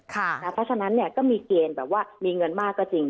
เพราะฉะนั้นก็มีเกณฑ์แบบว่ามีเงินมากก็จริง